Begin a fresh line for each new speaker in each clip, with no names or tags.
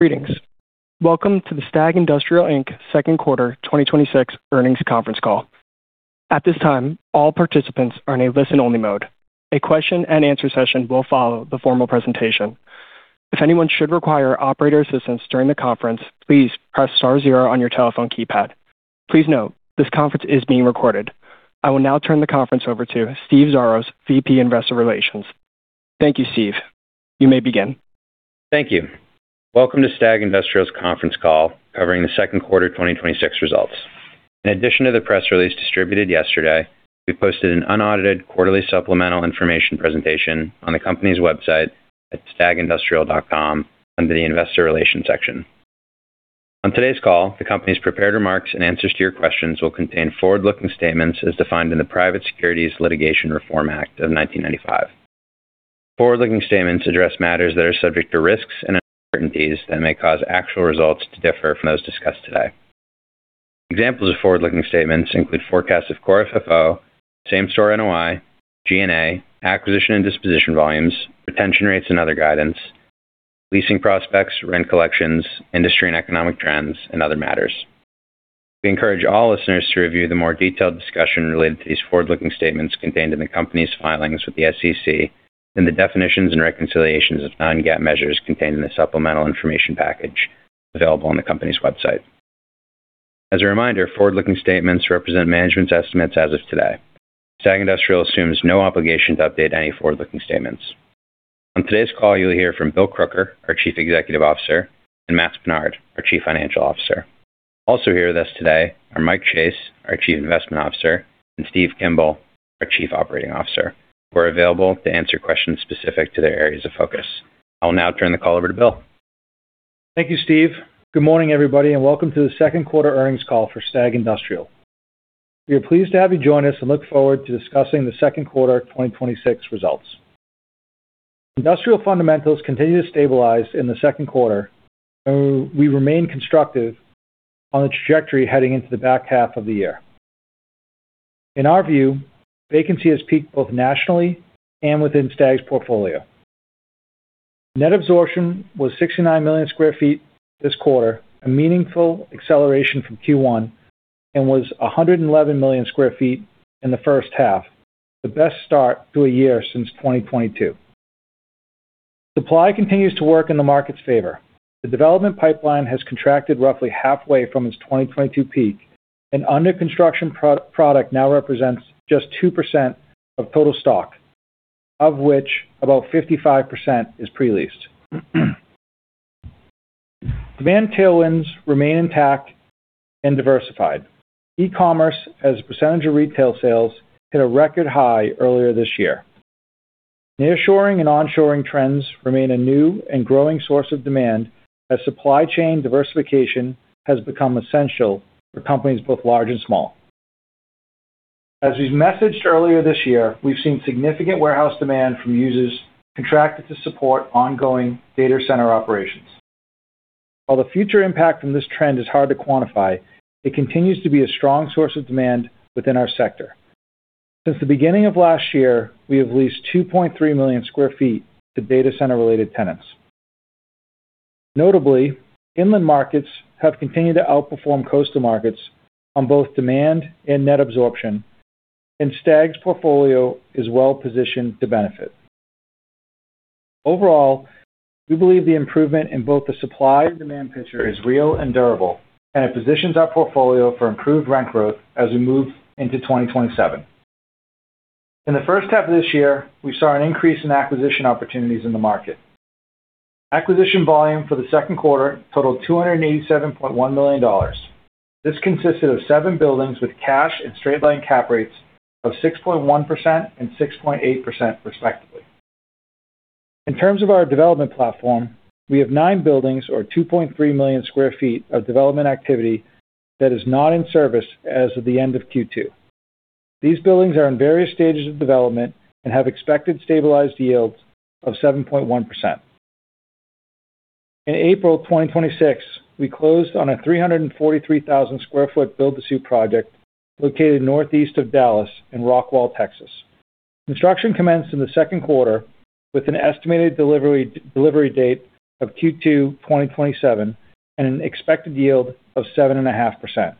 Greetings. Welcome to the STAG Industrial, Inc. second quarter 2026 earnings conference call. At this time, all participants are in a listen-only mode. A question and answer session will follow the formal presentation. If anyone should require operator assistance during the conference, please press star zero on your telephone keypad. Please note, this conference is being recorded. I will now turn the conference over to Steve Xiarhos, VP Investor Relations. Thank you, Steve. You may begin.
Thank you. Welcome to STAG Industrial's conference call covering the second quarter 2026 results. In addition to the press release distributed yesterday, we posted an unaudited quarterly supplemental information presentation on the company's website at stagindustrial.com under the investor relations section. On today's call, the company's prepared remarks and answers to your questions will contain forward-looking statements as defined in the Private Securities Litigation Reform Act of 1995. Forward-looking statements address matters that are subject to risks and uncertainties that may cause actual results to differ from those discussed today. Examples of forward-looking statements include forecasts of Core FFO, Same-Store NOI, G&A, acquisition and disposition volumes, retention rates and other guidance, leasing prospects, rent collections, industry and economic trends, and other matters. We encourage all listeners to review the more detailed discussion related to these forward-looking statements contained in the company's filings with the SEC, and the definitions and reconciliations of non-GAAP measures contained in the supplemental information package available on the company's website. As a reminder, forward-looking statements represent management's estimates as of today. STAG Industrial assumes no obligation to update any forward-looking statements. On today's call, you'll hear from Bill Crooker, our Chief Executive Officer, and Matts Pinard, our Chief Financial Officer. Also here with us today are Mike Chase, our Chief Investment Officer, and Steve Kimball, our Chief Operating Officer, who are available to answer questions specific to their areas of focus. I will now turn the call over to Bill.
Thank you, Steve. Good morning, everybody, and welcome to the second quarter earnings call for STAG Industrial. We are pleased to have you join us and look forward to discussing the second quarter 2026 results. Industrial fundamentals continue to stabilize in the second quarter, and we remain constructive on the trajectory heading into the back half of the year. In our view, vacancy has peaked both nationally and within STAG's portfolio. Net absorption was 69 million sq ft this quarter, a meaningful acceleration from Q1, and was 111 million sq ft in the H1, the best start to a year since 2022. Supply continues to work in the market's favor. The development pipeline has contracted roughly halfway from its 2022 peak and under construction product now represents just 2% of total stock, of which about 55% is pre-leased. Demand tailwinds remain intact and diversified. E-commerce as a percentage of retail sales hit a record high earlier this year. Nearshoring and onshoring trends remain a new and growing source of demand as supply chain diversification has become essential for companies both large and small. As we've messaged earlier this year, we've seen significant warehouse demand from users contracted to support ongoing data center operations. While the future impact from this trend is hard to quantify, it continues to be a strong source of demand within our sector. Since the beginning of last year, we have leased 2.3 million sq ft to data center related tenants. Notably, inland markets have continued to outperform coastal markets on both demand and net absorption, and STAG's portfolio is well positioned to benefit. Overall, we believe the improvement in both the supply and demand picture is real and durable, and it positions our portfolio for improved rent growth as we move into 2027. In the H1 of this year, we saw an increase in acquisition opportunities in the market. Acquisition volume for the second quarter totaled $287.1 million. This consisted of seven buildings with cash and straight line cap rates of 6.1% and 6.8% respectively. In terms of our development platform, we have nine buildings or 2.3 million sq ft of development activity that is not in service as of the end of Q2. These buildings are in various stages of development and have expected stabilized yields of 7.1%. In April 2026, we closed on a 343,000 sq ft build-to-suit project located northeast of Dallas in Rockwall, Texas. Construction commenced in the second quarter with an estimated delivery date of Q2 2027 and an expected yield of 7.5%.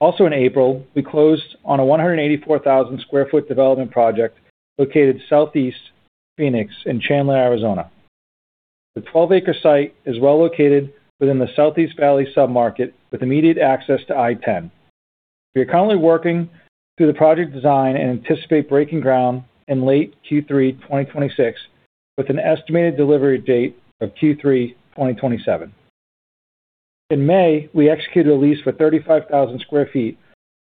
Also, in April, we closed on a 184,000 sq ft development project located southeast Phoenix in Chandler, Arizona. The 12 acre site is well located within the Southeast Valley sub-market with immediate access to I-10. We are currently working through the project design and anticipate breaking ground in late Q3 2026 with an estimated delivery date of Q3 2027. In May, we executed a lease for 35,000 sq ft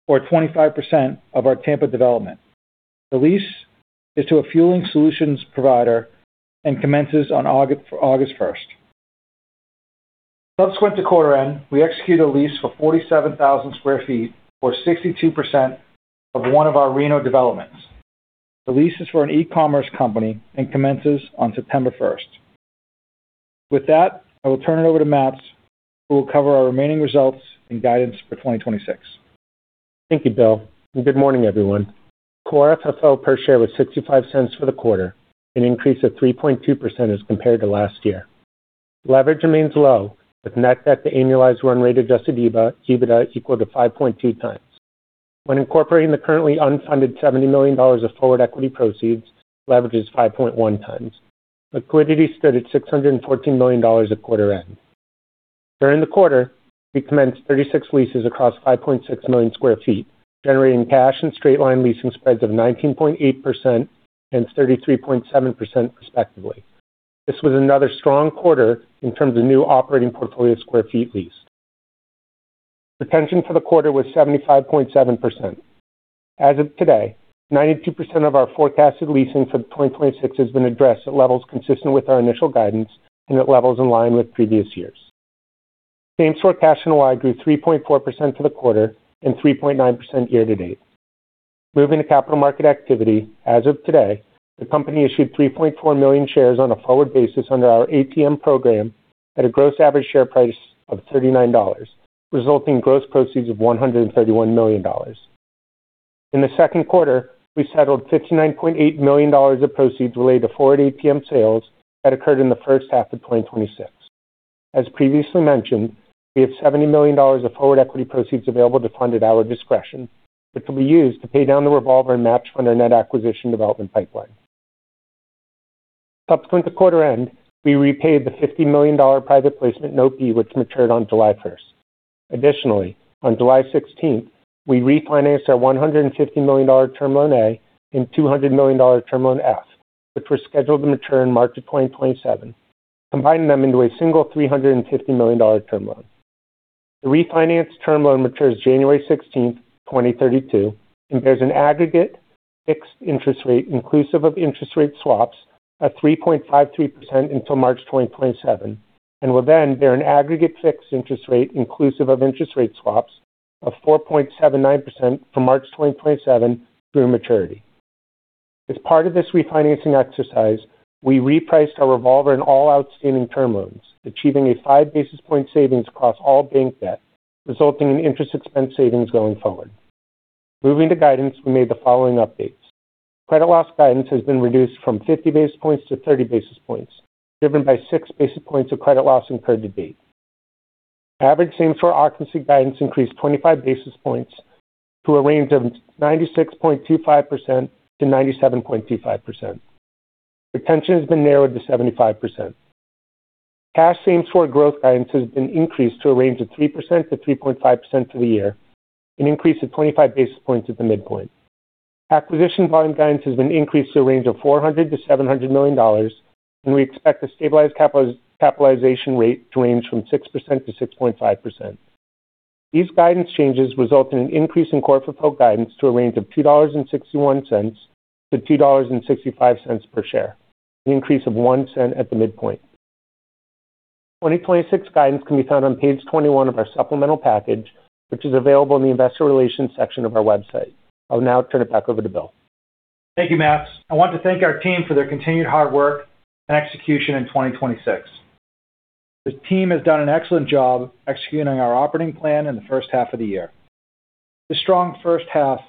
or 25% of our Tampa development. The lease is to a fueling solutions provider and commences on August 1st. Close went to quarter end, we executed a lease for 47,000 sq ft or 62% of one of our Reno developments. The lease is for an e-commerce company and commences on September 1st. With that, I will turn it over to Matts, who will cover our remaining results and guidance for 2026.
Thank you, Bill. Good morning, everyone. Core FFO per share was $0.65 for the quarter, an increase of 3.2% as compared to last year. Leverage remains low, with net debt to annualized run rate adjusted EBITDA equal to 5.2x. When incorporating the currently unfunded $70 million of forward equity proceeds, leverage is 5.1x. Liquidity stood at $614 million at quarter end. During the quarter, we commenced 36 leases across 5.6 million sq ft, generating cash and straight line leasing spreads of 19.8% and 33.7%, respectively. This was another strong quarter in terms of new operating portfolio square feet leased. Retention for the quarter was 75.7%. As of today, 92% of our forecasted leasing for 2026 has been addressed at levels consistent with our initial guidance and at levels in line with previous years. Same Store Cash NOI grew 3.4% for the quarter and 3.9% year-to-date. Moving to capital market activity, as of today, the company issued 3.4 million shares on a forward basis under our ATM program at a gross average share price of $39, resulting in gross proceeds of $131 million. In the second quarter, we settled $59.8 million of proceeds related to forward ATM sales that occurred in the H1 of 2026. As previously mentioned, we have $70 million of forward equity proceeds available to fund at our discretion, which will be used to pay down the revolver and match under net acquisition development pipeline. Subsequent to quarter end, we repaid the $50 million private placement note B, which matured on July 1st. Additionally, on July 16th, we refinanced our $150 million Term Loan A and $200 million Term Loan F, which were scheduled to mature in March of 2027, combining them into a single $350 million term loan. The refinanced term loan matures January 16th, 2032, and bears an aggregate fixed interest rate inclusive of interest rate swaps at 3.53% until March 2027, and will then bear an aggregate fixed interest rate inclusive of interest rate swaps of 4.79% from March 2027 through maturity. As part of this refinancing exercise, we repriced our revolver and all outstanding term loans, achieving a 5 basis point savings across all bank debt, resulting in interest expense savings going forward. We made the following updates to guidance. Credit loss guidance has been reduced from 50 basis points to 30 basis points, driven by 6 basis points of credit loss incurred to date. Average same store occupancy guidance increased 25 basis points to a range of 96.25%-97.25%. Retention has been narrowed to 75%. Cash same store growth guidance has been increased to a range of 3%-3.5% for the year, an increase of 25 basis points at the midpoint. Acquisition volume guidance has been increased to a range of $400 million-$700 million, and we expect the stabilized capitalization rate to range from 6%-6.5%. These guidance changes result in an increase in Core FFO guidance to a range of $2.61-$2.65 per share, an increase of $0.01 at the midpoint. 2026 guidance can be found on page 21 of our supplemental package, which is available in the investor relations section of our stagindustrial.com. I will now turn it back over to Bill.
Thank you, Matts. I want to thank our team for their continued hard work and execution in 2026. The team has done an excellent job executing our operating plan in the H1 of the year. The strong first half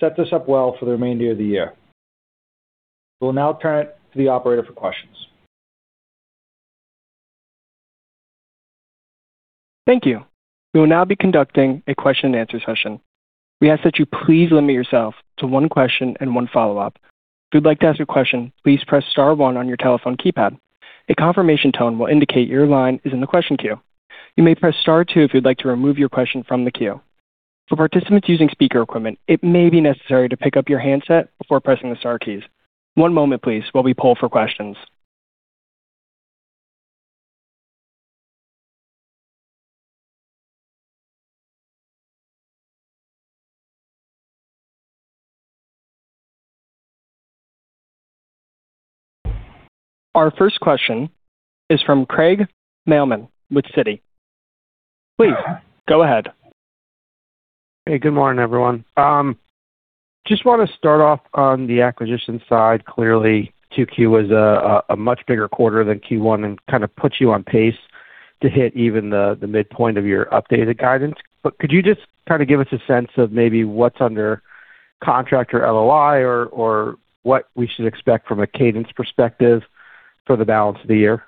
set this up well for the remainder of the year. We'll now turn it to the operator for questions.
Thank you. We will now be conducting a question and answer session. We ask that you please limit yourself to one question and one follow-up. If you'd like to ask a question, please press star one on your telephone keypad. A confirmation tone will indicate your line is in the question queue. You may press star two if you'd like to remove your question from the queue. For participants using speaker equipment, it may be necessary to pick up your handset before pressing the star keys. One moment, please, while we poll for questions. Our first question is from Craig Mailman with Citi. Please, go ahead.
Hey, good morning, everyone. Just want to start off on the acquisition side. Clearly, 2Q was a much bigger quarter than Q1 and kind of puts you on pace to hit even the midpoint of your updated guidance. Could you just kind of give us a sense of maybe what's under contract or LOI or what we should expect from a cadence perspective for the balance of the year?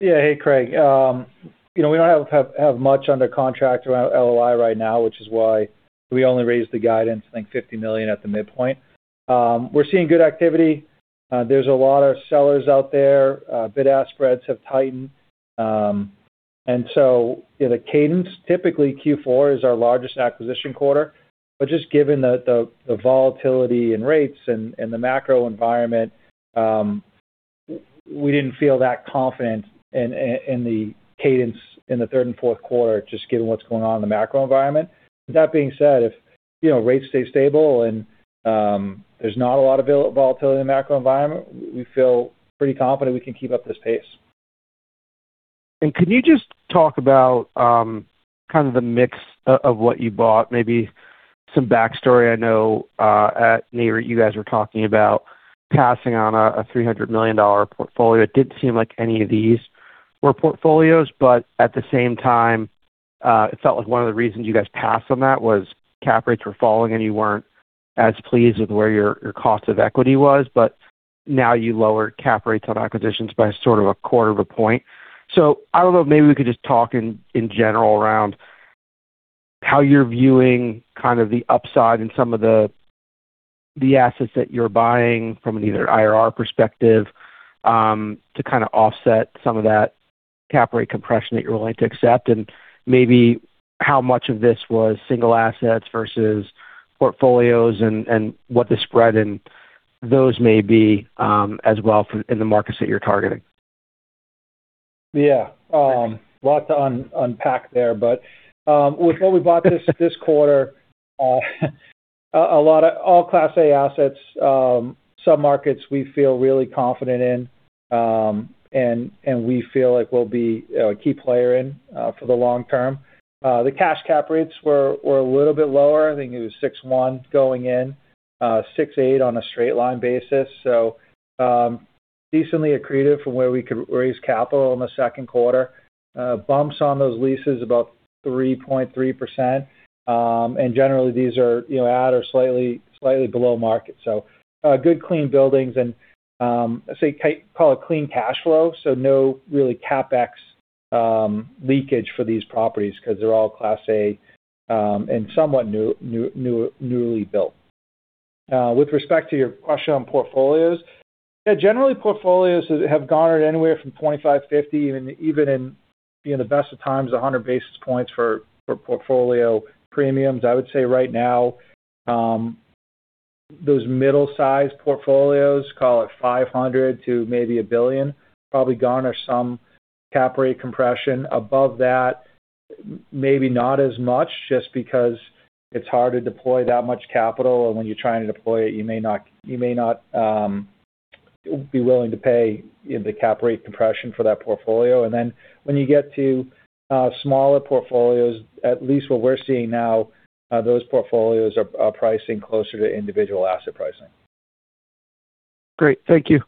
Yeah. Hey, Craig. We don't have much under contract or LOI right now, which is why we only raised the guidance, I think, $50 million at the midpoint. We're seeing good activity. There's a lot of sellers out there. Bid-ask spreads have tightened. The cadence, typically Q4 is our largest acquisition quarter. Just given the volatility in rates and the macro environment, we didn't feel that confident in the cadence in the third and fourth quarter, just given what's going on in the macro environment. That being said, if rates stay stable and there's not a lot of volatility in the macro environment, we feel pretty confident we can keep up this pace.
Could you just talk about kind of the mix of what you bought, maybe some backstory? I know at Nareit, you guys were talking about passing on a $300 million portfolio. It didn't seem like any of these were portfolios, but at the same time, it felt like one of the reasons you guys passed on that was cap rates were falling, and you weren't as pleased with where your cost of equity was, but now you lowered cap rates on acquisitions by sort of a quarter of a point. I don't know, maybe we could just talk in general around how you're viewing kind of the upside in some of the assets that you're buying from either an IRR perspective, to kind of offset some of that cap rate compression that you're willing to accept, and maybe how much of this was single assets versus portfolios and what the spread in those may be, as well in the markets that you're targeting.
Yeah. Lot to unpack there. With what we bought this quarter, all Class A assets, some markets we feel really confident in, and we feel like we'll be a key player in for the long term. The cash cap rates were a little bit lower. I think it was 6.1 going in, 6.8 on a straight line basis. Decently accretive from where we could raise capital in the second quarter. Bumps on those leases about 3.3%, and generally these are at or slightly below market. Good clean buildings and, I say, call it clean cash flow. No really CapEx leakage for these properties because they're all Class A, and somewhat newly built. With respect to your question on portfolios, yeah, generally portfolios have garnered anywhere from 25, 50, even in the best of times, 100 basis points for portfolio premiums. I would say right now, those middle-sized portfolios, call it $500 million to maybe $1 billion, probably garner some cap rate compression. Above that, maybe not as much just because it's hard to deploy that much capital, and when you're trying to deploy it, you may not be willing to pay the cap rate compression for that portfolio. Then when you get to smaller portfolios, at least what we're seeing now, those portfolios are pricing closer to individual asset pricing.
Great. Thank you.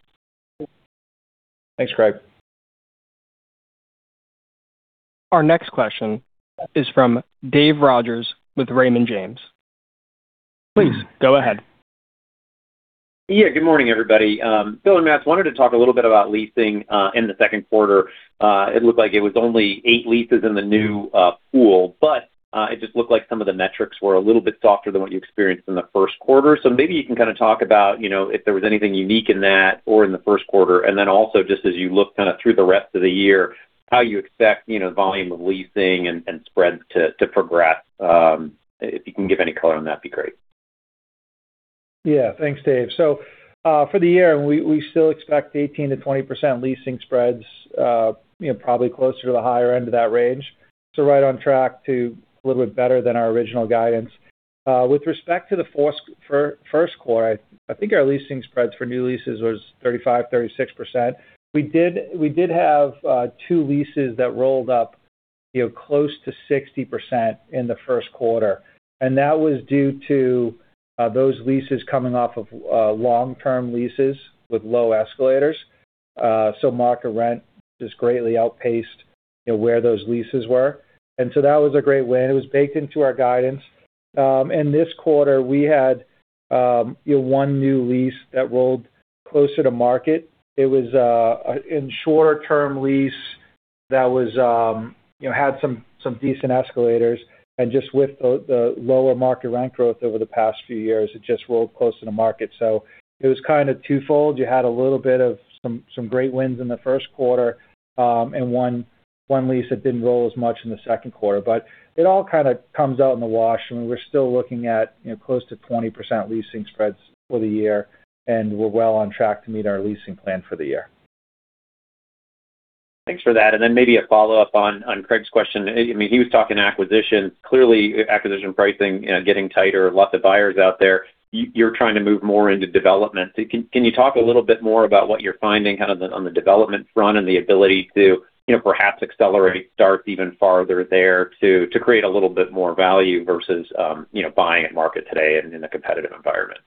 Thanks, Craig.
Our next question is from Dave Rodgers with Raymond James. Please, go ahead.
Good morning, everybody. Bill and Matt, wanted to talk a little bit about leasing in the second quarter. It looked like it was only eight leases in the new pool, but it just looked like some of the metrics were a little bit softer than what you experienced in the first quarter. Maybe you can kind of talk about if there was anything unique in that or in the first quarter, and then also just as you loo kind of through the rest of the year, how you expect volume of leasing and spreads to progress. If you can give any color on that, be great.
Yeah. Thanks, Dave. For the year, we still expect 18%-20% leasing spreads, probably closer to the higher end of that range. Right on track to a little bit better than our original guidance. With respect to the first quarter, I think our leasing spreads for new leases was 35%-36%. We did have two leases that rolled up close to 60% in the first quarter, that was due to those leases coming off of long-term leases with low escalators. Market rent just greatly outpaced where those leases were. That was a great win. It was baked into our guidance. This quarter, we had one new lease that rolled closer to market. It was a shorter term lease that had some decent escalators, and just with the lower market rent growth over the past few years, it just rolled closer to market. It was kind of twofold. You had a little bit of some great wins in the first quarter, and one lease that didn't roll as much in the second quarter. It all kind of comes out in the wash, and we're still looking at close to 20% leasing spreads for the year, and we're well on track to meet our leasing plan for the year.
Thanks for that. Maybe a follow-up on Craig's question. He was talking acquisitions. Clearly, acquisition pricing getting tighter, lots of buyers out there. You're trying to move more into development. Can you talk a little bit more about what you're finding kind of on the development front and the ability to perhaps accelerate starts even farther there to create a little bit more value versus buying at market today and in a competitive environment?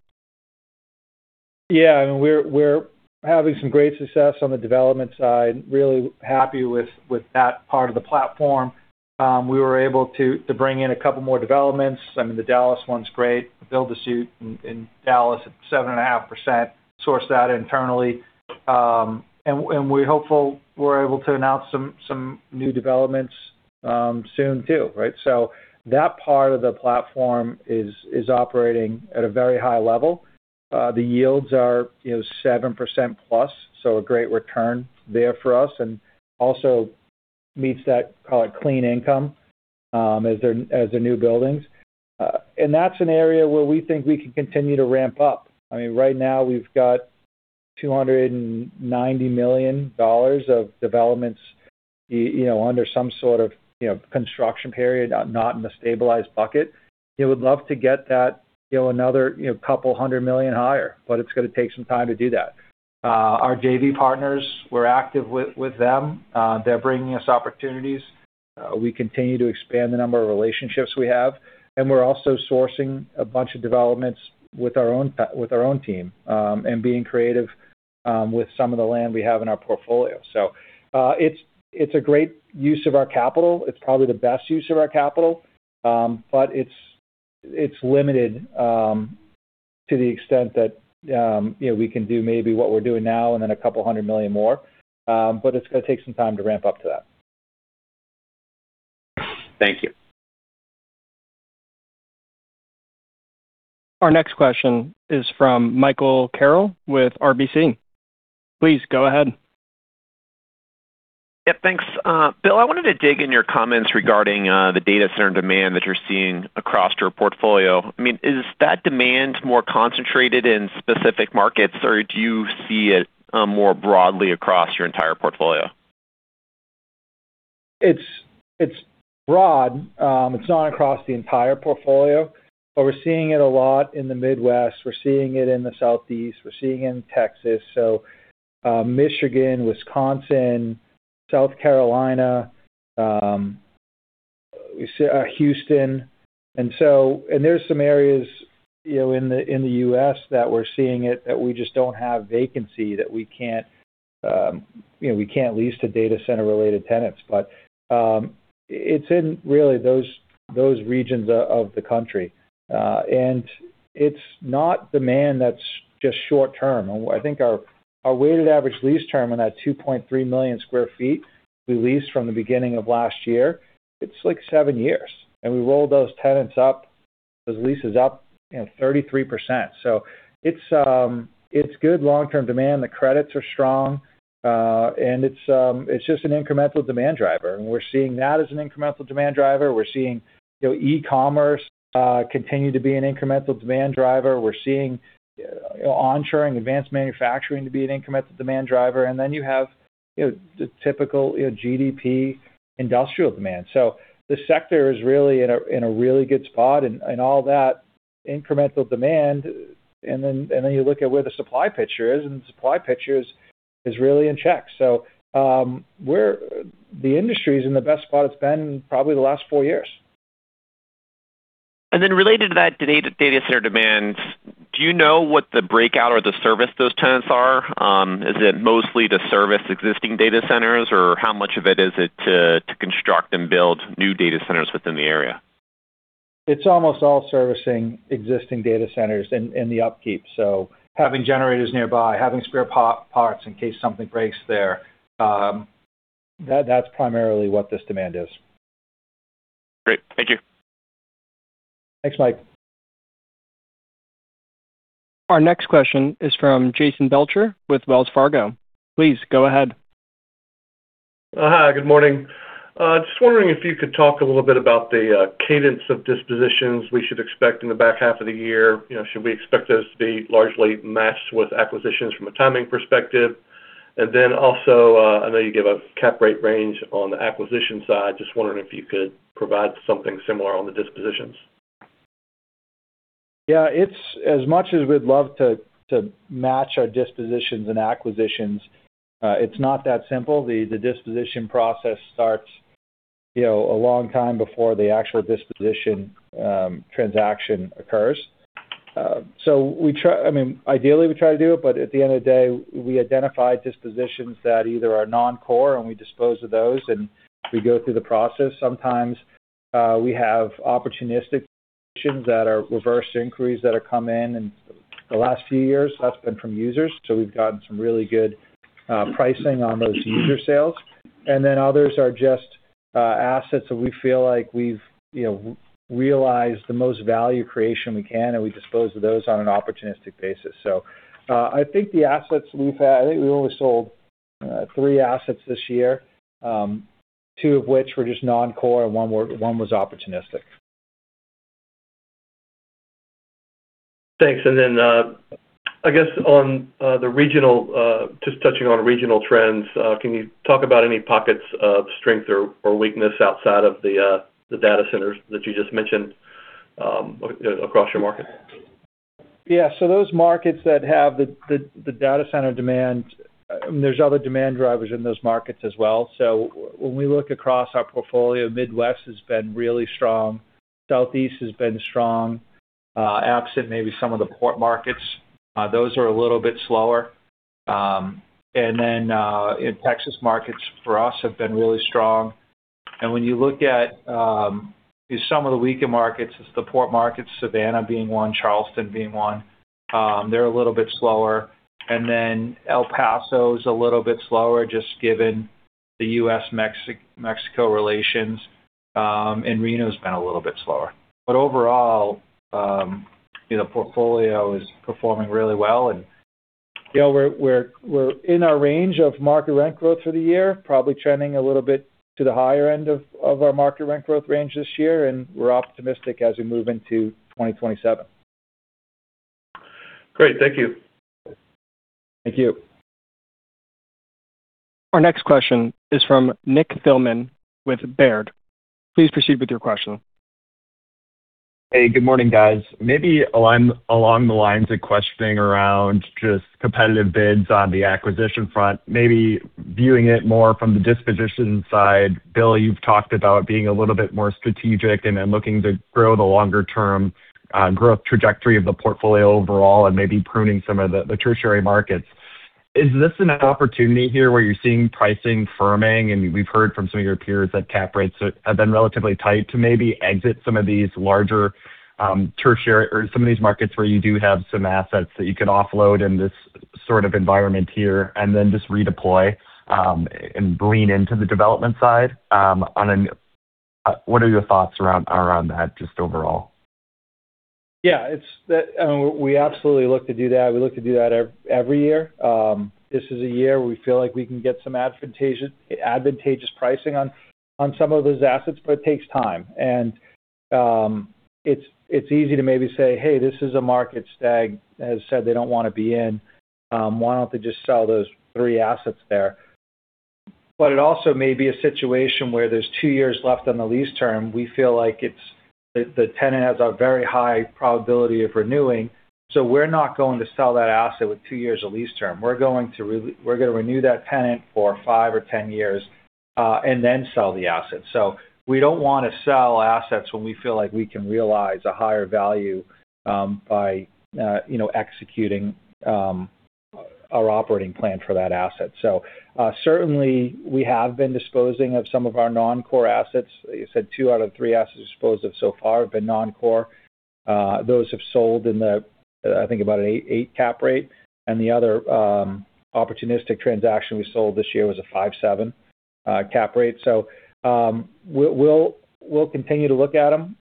Yeah. We're having some great success on the development side. Really happy with that part of the platform. We were able to bring in a couple more developments. The Dallas one's great. build-to-suit in Dallas at 7.5%, sourced that internally. We're hopeful we're able to announce some new developments soon too, right? That part of the platform is operating at a very high level. The yields are 7%+, so a great return there for us, and also meets that, call it clean income as they're new buildings. That's an area where we think we can continue to ramp up. Right now we've got $290 million of developments under some sort of construction period, not in the stabilized bucket. We would love to get that another couple hundred million higher, it's going to take some time to do that. Our JV partners, we're active with them. They're bringing us opportunities. We continue to expand the number of relationships we have, and we're also sourcing a bunch of developments with our own team, and being creative with some of the land we have in our portfolio. It's a great use of our capital. It's probably the best use of our capital. It's limited to the extent that we can do maybe what we're doing now and then a couple $100 million more. It's going to take some time to ramp up to that.
Thank you.
Our next question is from Michael Carroll with RBC. Please go ahead.
Yeah, thanks. Bill, I wanted to dig in your comments regarding the data center demand that you're seeing across your portfolio. Is that demand more concentrated in specific markets, or do you see it more broadly across your entire portfolio?
It's broad. It's not across the entire portfolio, but we're seeing it a lot in the Midwest. We're seeing it in the Southeast. We're seeing it in Texas. Michigan, Wisconsin, South Carolina, Houston. There's some areas in the U.S. that we're seeing it, that we just don't have vacancy, that we can't lease to data center-related tenants. It's in really those regions of the country. It's not demand that's just short-term. I think our weighted average lease term on that 2.3 million sq ft we leased from the beginning of last year, it's six, seven years. We rolled those tenants up, those leases up, 33%. It's good long-term demand. The credits are strong. It's just an incremental demand driver, and we're seeing that as an incremental demand driver. We're seeing e-commerce continue to be an incremental demand driver. We're seeing onshoring advanced manufacturing to be an incremental demand driver. You have the typical GDP industrial demand. The sector is really in a really good spot, and all that incremental demand. You look at where the supply picture is, the supply picture is really in check. The industry's in the best spot it's been probably in the last four years.
Related to that data center demand, do you know what the breakout or the service those tenants are? Is it mostly to service existing data centers, or how much of it is it to construct and build new data centers within the area?
It's almost all servicing existing data centers and the upkeep. Having generators nearby, having spare parts in case something breaks there. That's primarily what this demand is.
Great. Thank you.
Thanks, Mike.
Our next question is from Jason Belcher with Wells Fargo. Please go ahead.
Hi. Good morning. Just wondering if you could talk a little bit about the cadence of dispositions we should expect in the back half of the year. Should we expect those to be largely matched with acquisitions from a timing perspective? Also, I know you give a cap rate range on the acquisition side. Just wondering if you could provide something similar on the dispositions.
Yeah. As much as we'd love to match our dispositions and acquisitions, it's not that simple. The disposition process starts a long time before the actual disposition transaction occurs. Ideally, we try to do it. At the end of the day, we identify dispositions that either are non-core, and we dispose of those, and we go through the process. Sometimes we have opportunistic positions that are reverse inquiries that have come in. In the last few years, that's been from users. We've gotten some really good pricing on those user sales. Others are just assets that we feel like we've realized the most value creation we can, and we dispose of those on an opportunistic basis. I think the assets we've had, I think we only sold three assets this year, two of which were just non-core and one was opportunistic.
Thanks. I guess, just touching on regional trends, can you talk about any pockets of strength or weakness outside of the data centers that you just mentioned across your markets?
Yeah. Those markets that have the data center demand, there's other demand drivers in those markets as well. When we look across our portfolio, Midwest has been really strong. Southeast has been strong. Absent maybe some of the port markets. Those are a little bit slower. In Texas, markets for us have been really strong. When you look at some of the weaker markets, it's the port markets, Savannah being one, Charleston being one. They're a little bit slower. El Paso's a little bit slower, just given the U.S.-Mexico relations. Reno's been a little bit slower. Overall, the portfolio is performing really well, and we're in our range of market rent growth for the year, probably trending a little bit to the higher end of our market rent growth range this year, and we're optimistic as we move into 2027.
Great. Thank you.
Thank you.
Our next question is from Nick Thillman with Baird. Please proceed with your question.
Hey, good morning, guys. Maybe along the lines of questioning around just competitive bids on the acquisition front, maybe viewing it more from the disposition side. Bill, you've talked about being a little bit more strategic then looking to grow the longer-term growth trajectory of the portfolio overall and maybe pruning some of the tertiary markets. Is this an opportunity here where you're seeing pricing firming, and we've heard from some of your peers that cap rates have been relatively tight to maybe exit some of these larger tertiary or some of these markets where you do have some assets that you can offload in this sort of environment here, then just redeploy, and lean into the development side. What are your thoughts around that just overall?
Yeah. We absolutely look to do that. We look to do that every year. This is a year where we feel like we can get some advantageous pricing on some of those assets, but it takes time. It's easy to maybe say, hey, this is a market STAG has said they don't want to be in. Why don't they just sell those three assets there? It also may be a situation where there's two years left on the lease term. We feel like the tenant has a very high probability of renewing, so we're not going to sell that asset with two years of lease term. We're going to renew that tenant for five or 10 years, and then sell the asset. We don't want to sell assets when we feel like we can realize a higher value by executing our operating plan for that asset. Certainly we have been disposing of some of our non-Core assets. You said two out of three assets disposed of so far have been non-Core. Those have sold in, I think about an eight cap rate. The other opportunistic transaction we sold this year was a 5.7 cap rate. We'll continue to look at them.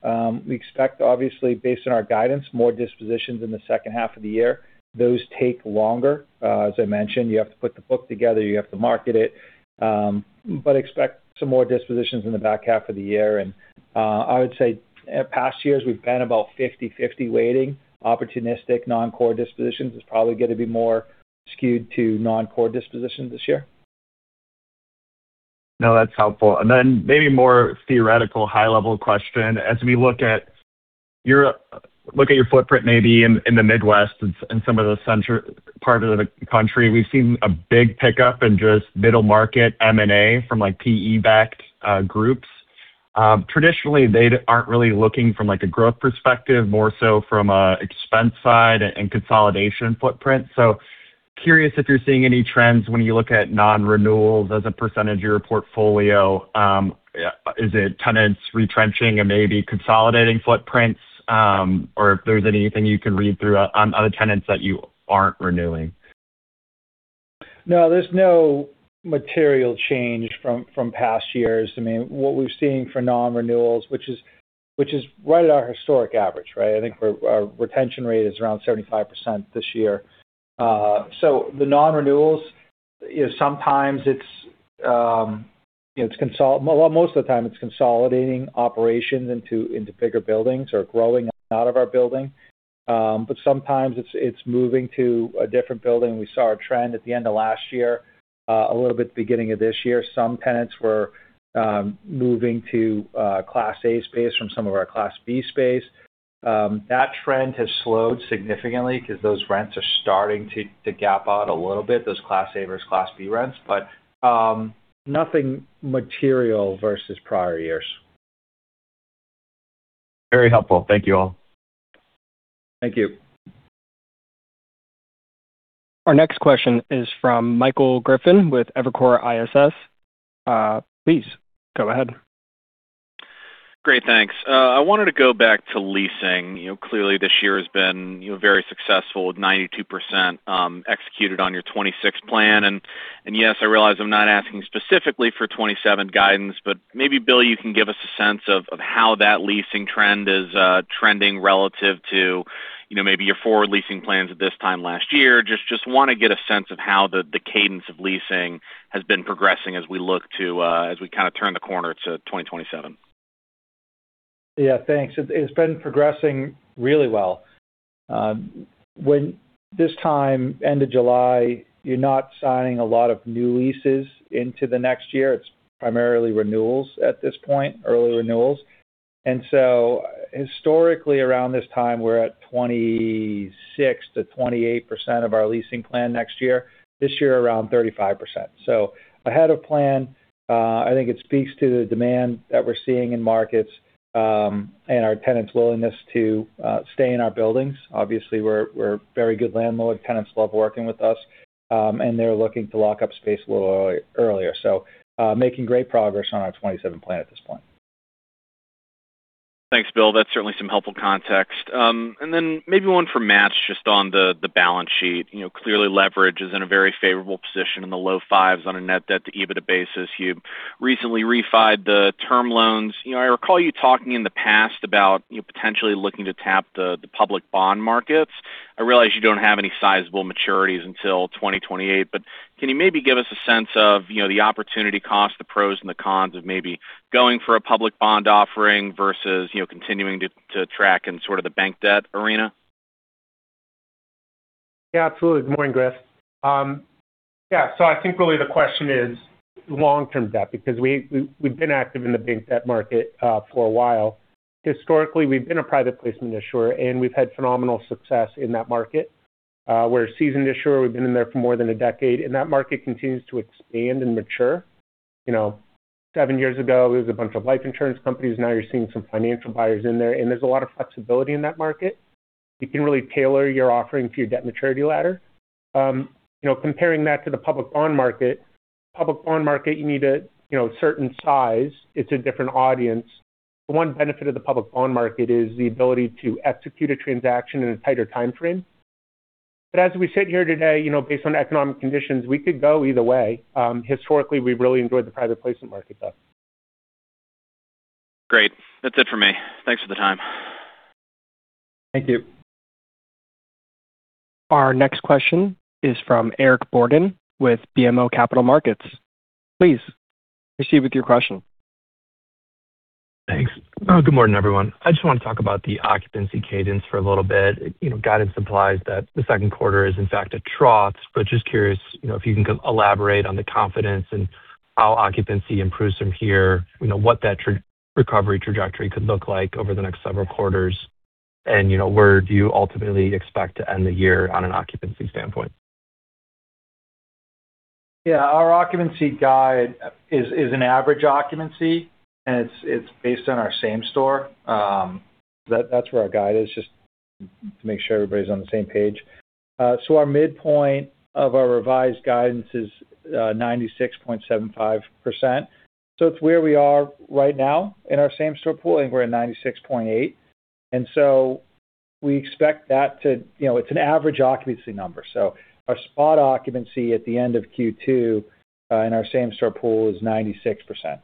We expect, obviously, based on our guidance, more dispositions in the H2 of the year. Those take longer. As I mentioned, you have to put the book together, you have to market it. Expect some more dispositions in the back half of the year. I would say past years we've been about 50/50 weighting opportunistic non-Core dispositions. It's probably going to be more skewed to non-Core dispositions this year.
No, that's helpful. Maybe more theoretical high-level question. As we look at your footprint maybe in the Midwest and some of the central part of the country, we've seen a big pickup in just middle market M&A from PE-backed groups. Traditionally, they aren't really looking from a growth perspective, more so from an expense side and consolidation footprint. Curious if you're seeing any trends when you look at non-renewals as a percentage of your portfolio. Is it tenants retrenching and maybe consolidating footprints? Or if there's anything you can read through on the tenants that you aren't renewing.
No, there's no material change from past years. What we're seeing for non-renewals, which is right at our historic average. I think our retention rate is around 75% this year. The non-renewals, most of the time it's consolidating operations into bigger buildings or growing out of our building. Sometimes it's moving to a different building. We saw a trend at the end of last year, a little bit at the beginning of this year. Some tenants were moving to Class A space from some of our Class B space. That trend has slowed significantly because those rents are starting to gap out a little bit, those Class A versus Class B rents. Nothing material versus prior years.
Very helpful. Thank you all.
Thank you.
Our next question is from Michael Griffin with Evercore ISI. Please go ahead.
Great. Thanks. I wanted to go back to leasing. Clearly this year has been very successful with 92% executed on your 2026 plan. Yes, I realize I'm not asking specifically for 2027 guidance, but maybe, Bill, you can give us a sense of how that leasing trend is trending relative to maybe your forward leasing plans at this time last year. Just want to get a sense of how the cadence of leasing has been progressing as we kind of turn the corner to 2027.
Yeah, thanks. It's been progressing really well. When this time, end of July, you're not signing a lot of new leases into the next year. It's primarily renewals at this point, early renewals. Historically around this time, we're at 26%-28% of our leasing plan next year. This year around 35%. Ahead of plan. I think it speaks to the demand that we're seeing in markets, and our tenants' willingness to stay in our buildings. Obviously, we're a very good landlord. Tenants love working with us. They're looking to lock up space a little earlier. Making great progress on our 2027 plan at this point.
Thanks, Bill. That's certainly some helpful context. Maybe one for Matts, just on the balance sheet. Clearly leverage is in a very favorable position in the low fives on a net debt to EBITDA basis. You recently refied the term loans. I recall you talking in the past about potentially looking to tap the public bond markets. I realize you don't have any sizable maturities until 2028. Can you maybe give us a sense of the opportunity cost, the pros and the cons of maybe going for a public bond offering versus continuing to track in sort of the bank debt arena?
Absolutely. Good morning, Griff. I think really the question is long-term debt, because we've been active in the bank debt market for a while. Historically, we've been a private placement issuer and we've had phenomenal success in that market. We're a seasoned issuer, we've been in there for more than a decade, and that market continues to expand and mature. Seven years ago, it was a bunch of life insurance companies. Now you're seeing some financial buyers in there. There's a lot of flexibility in that market. You can really tailor your offering to your debt maturity ladder. Comparing that to the public bond market, public bond market you need a certain size. It's a different audience. The one benefit of the public bond market is the ability to execute a transaction in a tighter timeframe. As we sit here today, based on economic conditions, we could go either way. Historically, we've really enjoyed the private placement market, though.
Great. That's it for me. Thanks for the time.
Thank you.
Our next question is from Eric Borden with BMO Capital Markets. Please proceed with your question.
Thanks. Good morning, everyone. I just want to talk about the occupancy cadence for a little bit. Guidance implies that the second quarter is in fact a trough, but just curious if you can elaborate on the confidence and how occupancy improves from here, what that recovery trajectory could look like over the next several quarters, and where do you ultimately expect to end the year on an occupancy standpoint?
Yeah, our occupancy guide is an average occupancy, and it's based on our same store. That's where our guide is, just to make sure everybody's on the same page. Our midpoint of our revised guidance is 96.75%. It's where we are right now in our same store pool, I think we're at 96.8%. It's an average occupancy number. Our spot occupancy at the end of Q2 in our same store pool is 96%.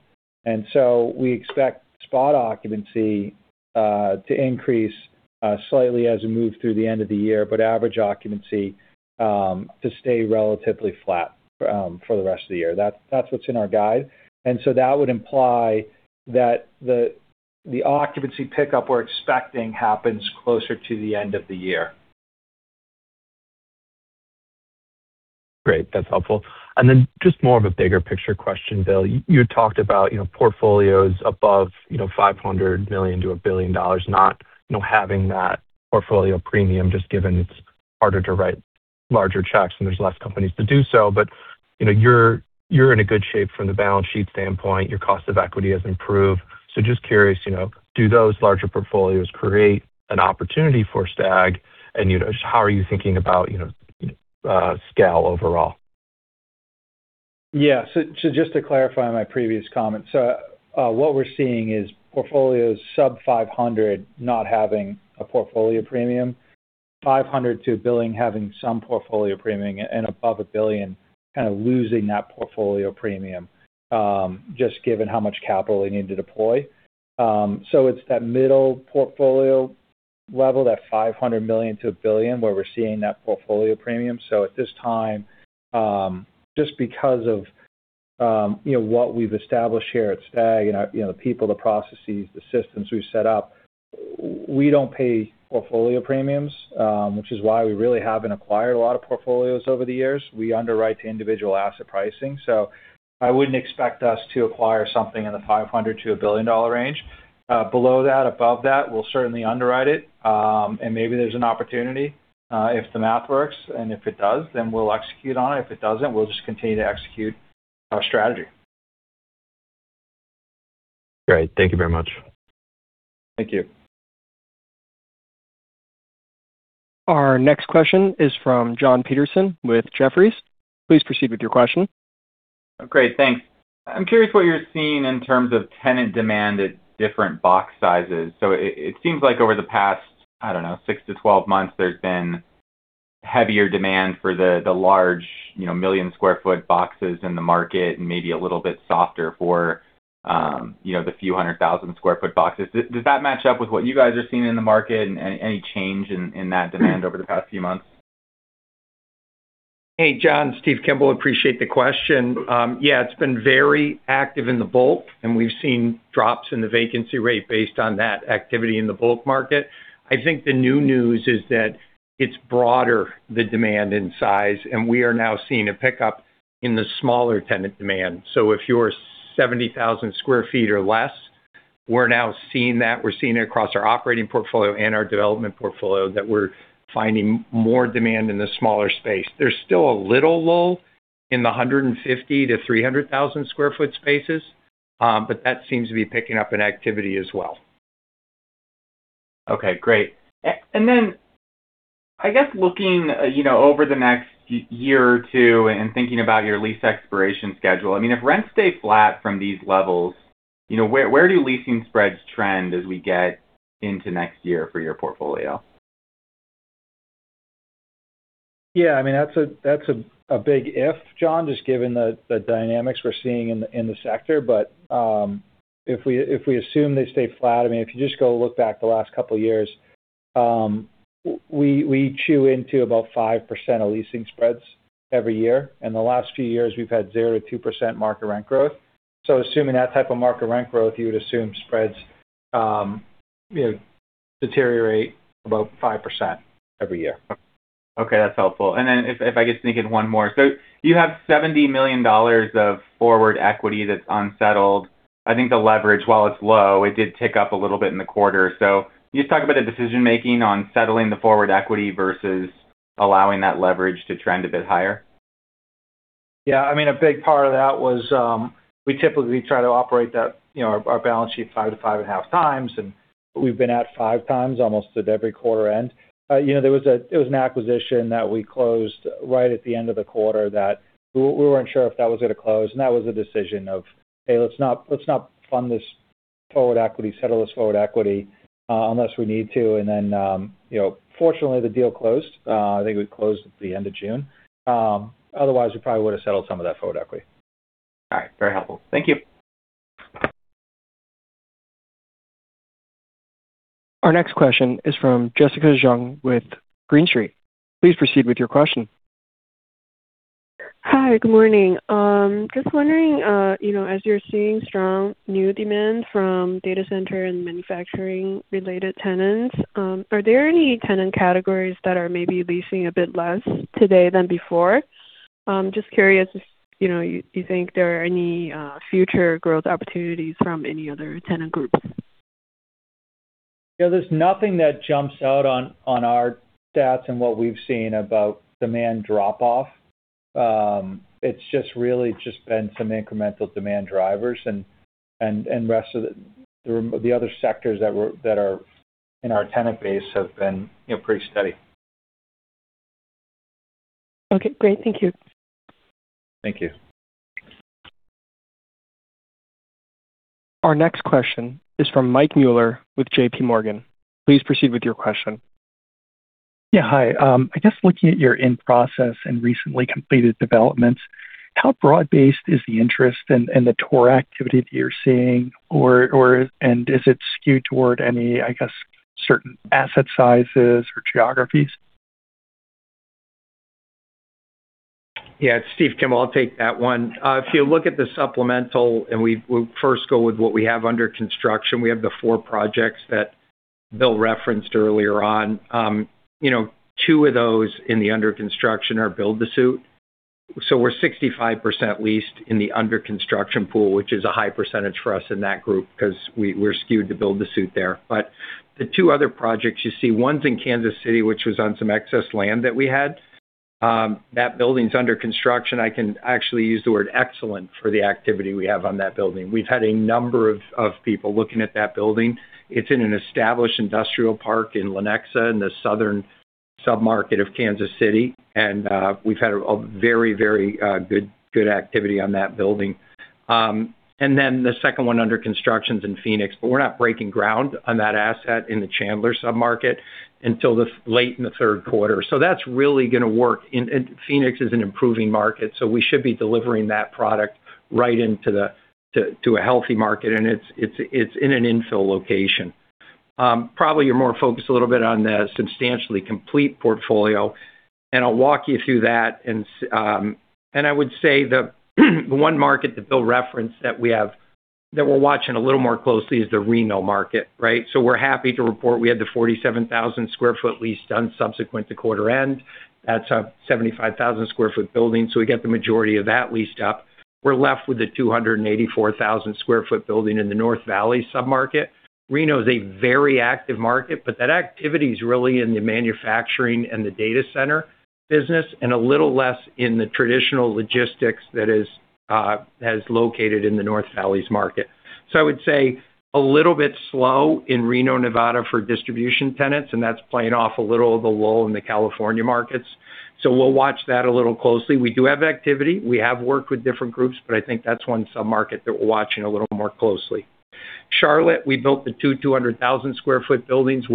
We expect spot occupancy to increase slightly as we move through the end of the year, but average occupancy to stay relatively flat for the rest of the year. That's what's in our guide. That would imply that the occupancy pickup we're expecting happens closer to the end of the year.
Great. That's helpful. Just more of a bigger picture question, Bill. You had talked about portfolios above $500 million to $1 billion, not having that portfolio premium just given it's harder to write larger checks and there's less companies to do so. You're in a good shape from the balance sheet standpoint. Your cost of equity has improved. Just curious, do those larger portfolios create an opportunity for STAG? And just how are you thinking about scale overall?
Just to clarify my previous comment, what we're seeing is portfolios sub $500 million not having a portfolio premium, $500 million to $1 billion having some portfolio premium, and above $1 billion kind of losing that portfolio premium, just given how much capital they need to deploy. It's that middle portfolio level, that $500 million to $1 billion where we're seeing that portfolio premium. At this time, just because of what we've established here at STAG and the people, the processes, the systems we've set up, we don't pay portfolio premiums, which is why we really haven't acquired a lot of portfolios over the years. We underwrite to individual asset pricing. I wouldn't expect us to acquire something in the $500 million to $1 billion range. Below that, above that, we'll certainly underwrite it.
Maybe there's an opportunity if the math works, if it does, we'll execute on it. If it doesn't, we'll just continue to execute our strategy.
Great. Thank you very much.
Thank you.
Our next question is from Jon Petersen with Jefferies. Please proceed with your question.
Great. Thanks. I'm curious what you're seeing in terms of tenant demand at different box sizes. It seems like over the past, I don't know, 6-12 months, there's been heavier demand for the large million square feet boxes in the market and maybe a little bit softer for the few hundred thousand square feet boxes. Does that match up with what you guys are seeing in the market, and any change in that demand over the past few months?
Hey, Jon. Steve Kimball. Appreciate the question. Yeah, it's been very active in the bulk, and we've seen drops in the vacancy rate based on that activity in the bulk market. I think the new news is that it's broader, the demand in size, and we are now seeing a pickup in the smaller tenant demand. If you're 70,000 sq ft or less, we're now seeing that. We're seeing it across our operating portfolio and our development portfolio that we're finding more demand in the smaller space. There's still a little lull in the 150,000-300,000 sq ft spaces, but that seems to be picking up in activity as well.
Okay, great. I guess looking over the next year or two and thinking about your lease expiration schedule, if rents stay flat from these levels, where do leasing spreads trend as we get into next year for your portfolio?
Yeah, that's a big if, John, just given the dynamics we're seeing in the sector. If we assume they stay flat, if you just go look back the last couple of years, we chew into about 5% of leasing spreads every year. In the last few years, we've had 0%-2% market rent growth. Assuming that type of market rent growth, you would assume spreads deteriorate about 5% every year.
Okay, that's helpful. If I could sneak in one more. You have $70 million of forward equity that's unsettled. I think the leverage, while it's low, it did tick up a little bit in the quarter. Can you just talk about the decision-making on settling the forward equity versus allowing that leverage to trend a bit higher?
Yeah. A big part of that was, we typically try to operate our balance sheet five to five and a half times, and we've been at five times almost at every quarter end. There was an acquisition that we closed right at the end of the quarter that we weren't sure if that was going to close, and that was a decision of, "Hey, let's not fund this forward equity, settle this forward equity, unless we need to." Fortunately, the deal closed. I think we closed at the end of June. Otherwise, we probably would've settled some of that forward equity.
All right. Very helpful. Thank you.
Our next question is from Jessica Zheng with Green Street. Please proceed with your question.
Hi. Good morning. Just wondering, as you're seeing strong new demand from data center and manufacturing-related tenants, are there any tenant categories that are maybe leasing a bit less today than before? Just curious if you think there are any future growth opportunities from any other tenant groups.
There's nothing that jumps out on our stats and what we've seen about demand drop-off. It's just really just been some incremental demand drivers and the other sectors that are in our tenant base have been pretty steady.
Okay, great. Thank you.
Thank you.
Our next question is from Mike Mueller with JPMorgan. Please proceed with your question.
Yeah. Hi. I guess looking at your in-process and recently completed developments, how broad-based is the interest and the tour activity that you're seeing? Is it skewed toward any, I guess, certain asset sizes or geographies?
Yeah. It's Steve Kimball. I'll take that one. If you look at the supplemental, we first go with what we have under construction, we have the four projects that Bill referenced earlier on. Two of those in the under construction are build-to-suit. We're 65% leased in the under construction pool, which is a high percentage for us in that group because we're skewed to build-to-suit there. The two other projects you see, one's in Kansas City, which was on some excess land that we had. That building's under construction. I can actually use the word excellent for the activity we have on that building. We've had a number of people looking at that building. It's in an established industrial park in Lenexa in the southern sub-market of Kansas City, we've had a very good activity on that building. The second one under construction's in Phoenix, we're not breaking ground on that asset in the Chandler sub-market until late in the third quarter. That's really going to work. Phoenix is an improving market, we should be delivering that product right into a healthy market, it's in an infill location. Probably you're more focused a little bit on the substantially complete portfolio, I'll walk you through that. I would say the one market that Bill referenced that we're watching a little more closely is the Reno market, right? We're happy to report we had the 47,000 sq ft leased on subsequent to quarter end. That's a 75,000 sq ft building, we got the majority of that leased up. We're left with the 284,000 sq ft building in the North Valleys sub-market. Reno is a very active market, that activity is really in the manufacturing and the data center business a little less in the traditional logistics that is located in the North Valleys market. I would say a little bit slow in Reno, Nevada, for distribution tenants, that's playing off a little of the lull in the California markets. We'll watch that a little closely. We do have activity. We have worked with different groups, I think that's one sub-market that we're watching a little more closely. Charlotte, we built the 2,200,000 sq ft buildings.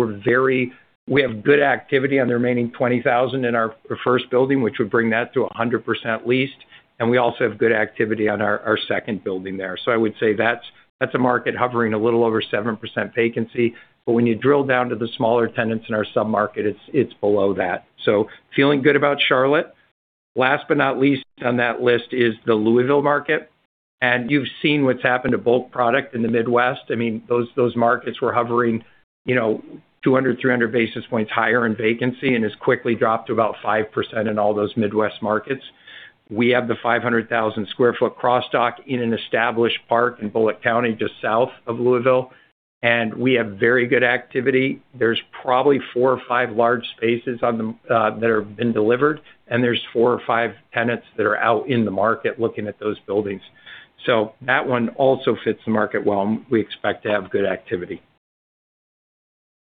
We have good activity on the remaining 20,000 in our first building, which would bring that to 100% leased, we also have good activity on our second building there. I would say that's a market hovering a little over 7% vacancy. When you drill down to the smaller tenants in our sub-market, it's below that. Feeling good about Charlotte. Last but not least on that list is the Louisville market. You've seen what's happened to bulk product in the Midwest. Those markets were hovering 200, 300 basis points higher in vacancy and has quickly dropped to about 5% in all those Midwest markets. We have the 500,000 square foot cross-dock in an established park in Bullitt County, just south of Louisville, and we have very good activity. There's probably four or five large spaces that have been delivered, and there's four or five tenants that are out in the market looking at those buildings. That one also fits the market well, and we expect to have good activity.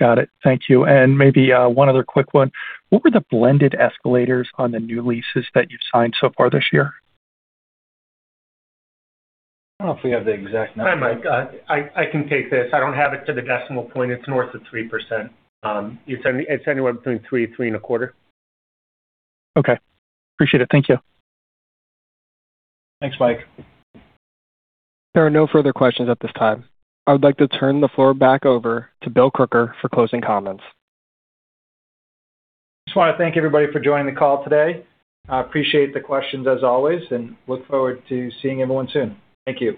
Got it. Thank you. Maybe one other quick one. What were the blended escalators on the new leases that you've signed so far this year?
I don't know if we have the exact number.
Hi, Mike. I can take this. I don't have it to the decimal point. It's north of 3%. It's anywhere between three and a quarter.
Okay. Appreciate it. Thank you.
Thanks, Mike.
There are no further questions at this time. I would like to turn the floor back over to Bill Crooker for closing comments.
Just want to thank everybody for joining the call today. I appreciate the questions as always, and look forward to seeing everyone soon. Thank you